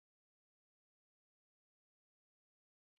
বরদাসুন্দরীর মুখ দিয়া কিছুক্ষণ কথা বাহির হইল না।